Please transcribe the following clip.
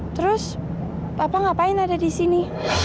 terus papa ngapain ada di sini